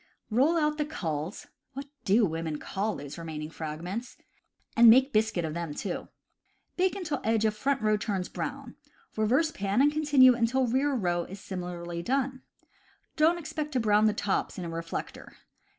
Roll out the culls (what do women call those remaining fragments ?) and make biscuit of them too. Bake until edge of front row turns brown; reverse pan and continue until rear row is similarly done. Don't expect to brown the tops in a reflector.